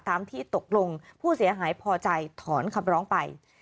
ตามที่ตกลงผู้เสียหายพอใจถอนคำร้องไป